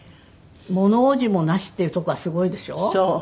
「ものおじもなし」っていうとこはすごいでしょ？